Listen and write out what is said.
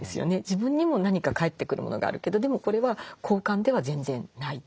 自分にも何か返ってくるものがあるけどでもこれは交換では全然ない。